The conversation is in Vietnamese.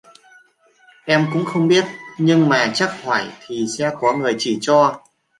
Em cũng không biết nhưng mà chắc hỏi thì sẽ có người chỉ cho